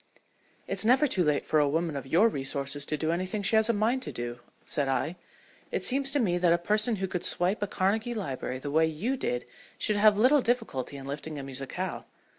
"It's never too late for a woman of your resources to do anything she has a mind to do," said I. "It seems to me that a person who could swipe a Carnegie library the way you did should have little difficulty in lifting a musicale.